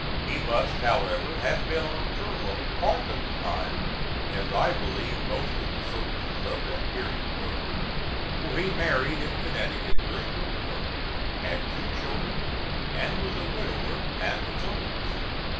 He must, however, have been on furlough part of the time as I believe most of the soldiers of that period were for he married in Connecticut during the war, had two children, and was a widower at the close.